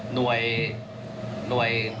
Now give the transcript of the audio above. หน่วย